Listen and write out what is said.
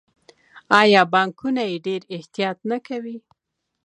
آیا بانکونه یې ډیر احتیاط نه کوي؟